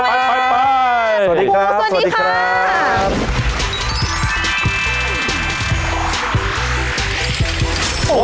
สวัสดีครับ